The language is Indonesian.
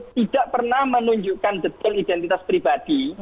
tidak pernah menunjukkan detail identitas pribadi